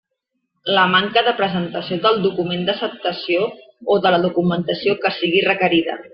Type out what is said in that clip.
La manca de presentació del document d'acceptació o de la documentació que sigui requerida.